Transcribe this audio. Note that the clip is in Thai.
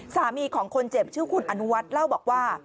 สามีของคนเจ็บชื่อคุณอนุวัฒน์เล่าบอกว่า